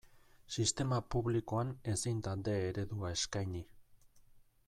Sistema publikoan ezin da D eredua eskaini.